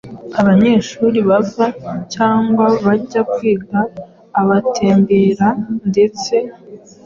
abanyeshuri bava cyangwa bajya kwiga, abatembera ndetse